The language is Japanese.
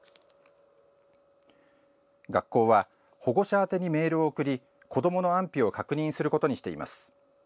学校は保護者宛てにメールを送り子どもの安否を確認することにしています。